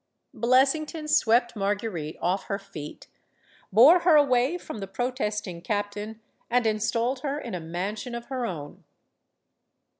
Blessington swept Marguerite off her feet, bore her. away from the protesting captain and installed her in a mansion of her own.